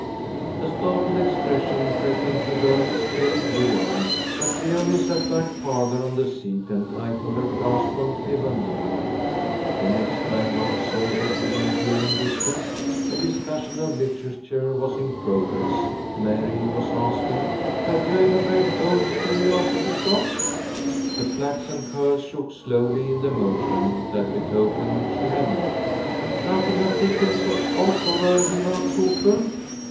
A startled expression crept into Girlie's pale blue eyes, but she only sat back farther on the seat and tightened her clasp on Evangeline. The next time Rob sauntered within hearing distance, a discussion of literature was in progress, Mary was asking: "Have you ever read 'Old Curiosity Shop?'" The flaxen curls shook slowly in the motion that betokened she had not. "Nothing of Dickens or Scott or Irving or Cooper?"